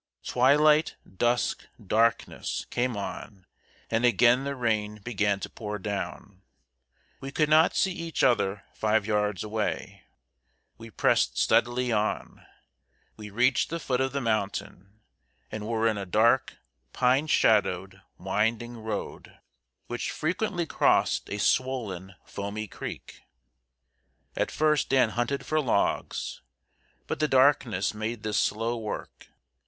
] Twilight, dusk, darkness, came on, and again the rain began to pour down. We could not see each other five yards away. We pressed steadily on. We reached the foot of the mountain, and were in a dark, pine shadowed, winding road, which frequently crossed a swollen, foaming creek. At first Dan hunted for logs; but the darkness made this slow work.